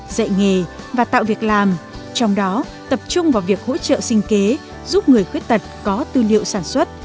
dạy nghề và tạo việc làm trong đó tập trung vào việc hỗ trợ sinh kế giúp người khuyết tật có tư liệu sản xuất